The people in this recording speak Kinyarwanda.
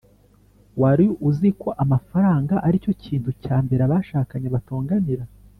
wari uziko amafaranga aricyo kintu cya mbere abashakanye batonganira